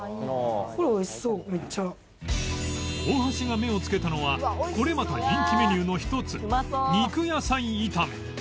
大橋が目をつけたのはこれまた人気メニューの一つ肉野菜炒め